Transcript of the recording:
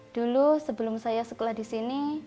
dulu sebelum saya sekolah di sini